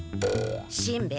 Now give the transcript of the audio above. しんべヱ